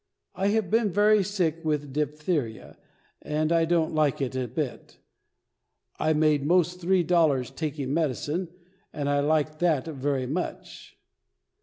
I have been very sick with diphtheria, and I don't like it a bit. I made 'most three dollars taking medicine, and I liked that very much.